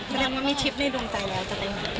แสดงว่ามีทริปในดวงจ่ายแล้วจะแต่งงาน